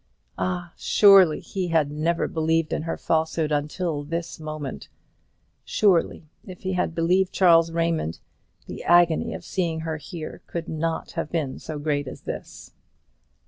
Ah, surely he had never believed in her falsehood until this moment; surely, if he had believed Charles Raymond, the agony of seeing her here could not have been so great as this!